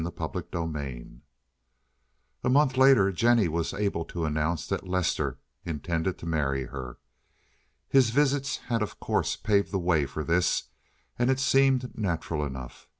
CHAPTER XXV A month later Jennie was able to announce that Lester intended to marry her. His visits had of course paved the way for this, and it seemed natural enough.